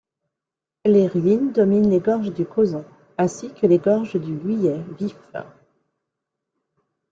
Les ruines dominent les gorges du Cozon, ainsi que les gorges du Guiers Vif.